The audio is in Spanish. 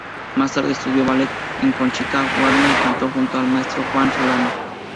Más tarde estudia ballet con Conchita Huarte y canto junto al maestro Juan Solano.